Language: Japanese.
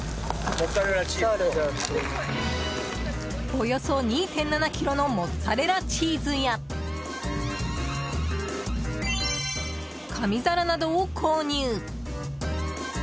およそ２．７ｋｇのモッツァレラチーズや紙皿などを購入。